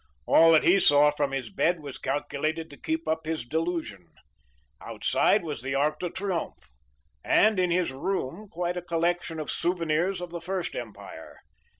All that he saw from his bed was calculated to keep up his delusion. Outside was the Arc de Triomphe, and in the room quite a collection of souvenirs of the First Empire.